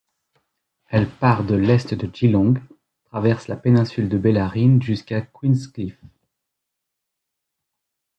Elle part de l'est de Geelong, traverse la péninsule Bellarine jusqu'à Queenscliff.